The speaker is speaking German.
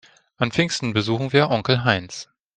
An Pfingsten besuchen wir Onkel Heinz.